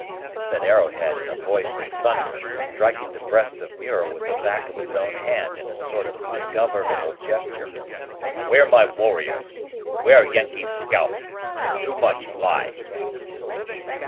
said Arrowhead in a voice of thunder, striking the breast of Muir with the back of his own hand in a sort of ungovernable gesture; "where my warriors? where Yengeese scalp? Too much lie!"